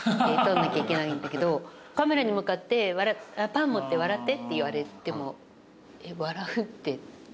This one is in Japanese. で撮んなきゃいけないんだけどカメラに向かってパン持って笑ってって言われても。